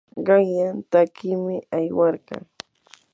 qanyan takiymi aywarqaa.